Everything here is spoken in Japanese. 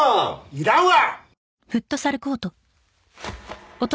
いらんわ！